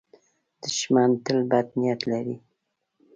دښمن تل بد نیت لري